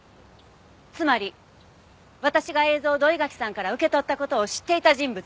つまり私が映像を土居垣さんから受け取った事を知っていた人物。